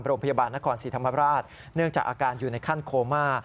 โรงพยาบาลนครศรีธรรมราชเนื่องจากอาการอยู่ในขั้นโคม่า